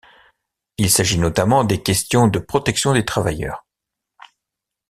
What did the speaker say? Il s'agit notamment des questions de protection des travailleurs.